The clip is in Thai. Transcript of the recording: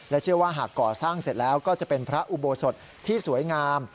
เชื่อว่าหากก่อสร้างเสร็จแล้วก็จะเป็นพระอุโบสถที่สวยงาม